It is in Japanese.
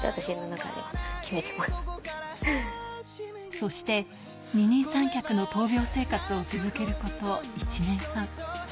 そして二人三脚の闘病生活を続けること１年半。